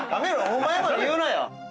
お前まで言うなや。